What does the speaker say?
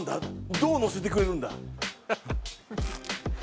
どうノせてくれるんだ？